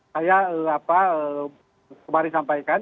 saya kemarin sampaikan